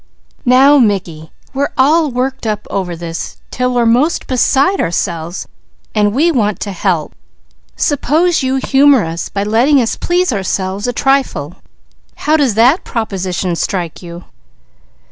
Now Mickey, we're all worked up over this till we're most beside ourselves, so we want to help; suppose you humour us, by letting us please ourselves a trifle. How does that proposition strike you?"